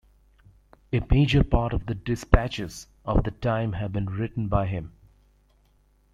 A major part of the dispatches of the time have been written by him.